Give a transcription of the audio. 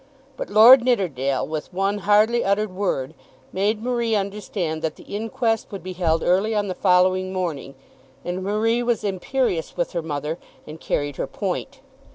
But Lord Nidderdale, with one hardly uttered word, made Marie understand that the inquest would be held early on the following morning, and Marie was imperious with her mother and carried her point.